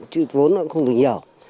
chứ vốn nó cũng không được nhiều